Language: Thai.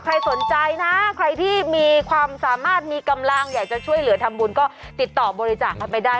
ใครสนใจนะใครที่มีความสามารถมีกำลังอยากจะช่วยเหลือทำบุญก็ติดต่อบริจาคกันไปได้